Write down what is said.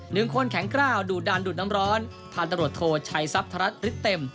หนึ่งคนแข็งกล้าวดุดันดูดน้ำร้อนพันตรวจโทชัยทรัพย์ธรัฐฤทธิเต็ม